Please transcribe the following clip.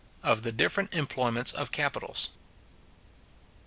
OF THE DIFFERENT EMPLOYMENTS OF CAPITALS.